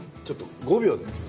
ちょっと５秒で。